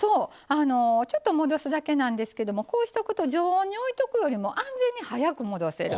ちょっと戻すだけなんですけどこうしておくと常温で置くよりも安全に早く戻せる。